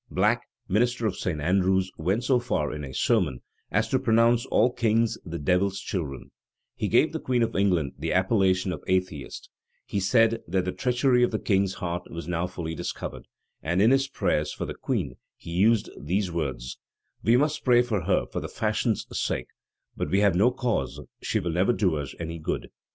Black, minister of St. Andrew's, went so far,[] in a sermon, as to pronounce all kings the devil's children; he gave the queen of England the appellation of atheist; he said, that the treachery of the king's heart was now fully discovered; and in his prayers for the queen he used these words: "We must pray for her for the fashion's sake, but we have no cause: she will never do us any good."